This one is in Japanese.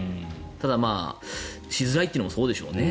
ただ、しづらいというのもそうでしょうね。